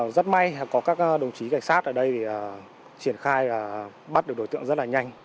rất may có các đồng chí cảnh sát ở đây triển khai và bắt được đối tượng rất là nhanh